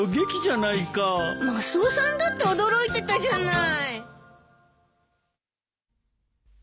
マスオさんだって驚いてたじゃない。